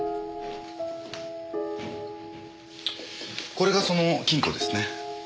これがその金庫ですね。